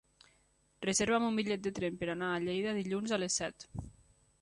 Reserva'm un bitllet de tren per anar a Lleida dilluns a les set.